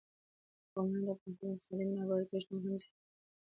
قومونه د افغانستان د اقتصادي منابعو ارزښت نور هم زیاتوي.